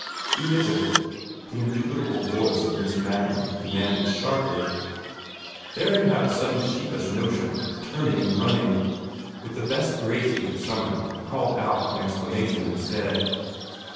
"Who is it?" the indubitable voice of Miss Madden demanded sharply. Theron had a sudden sheepish notion of turning and running. With the best grace he could summon, he called out an explanation instead.